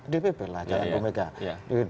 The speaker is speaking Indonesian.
dpp lah bukan bumega